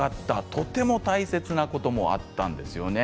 とても大切なこともあったんですよね。